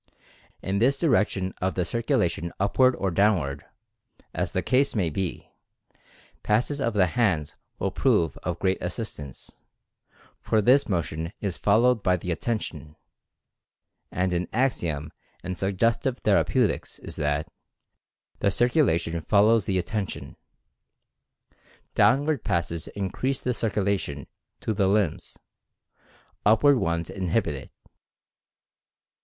In this direction of the circulation upward or down ward (as the case may be) passes of the hands will prove of great assistance, for this motion is followed by the Attention, and an axiom in Suggestive Thera peutics is that "The Circulation follows the Atten tion." Downward passes increase the circulation to the limbs — upward ones inhibit it.